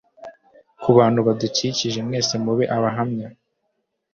kubantu badukikije mwese mube abahamya